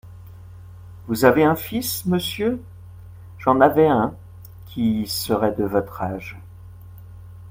Vous avez un fils, monsieur ? J'en avais un … qui serait de votre âge.